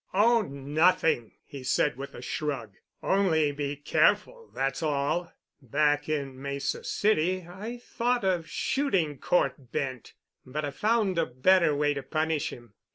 "Oh, nothing," he said with a shrug. "Only be careful, that's all. Back in Mesa City I thought of shooting Cort Bent, but I found a better way to punish him.